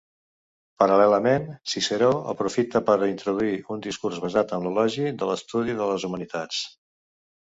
Paral·lelament, Ciceró aprofita per introduir un discurs basat en l'elogi de l'estudi de les humanitats.